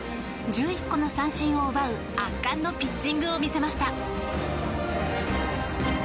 １１個の三振を奪う圧巻のピッチングを見せました。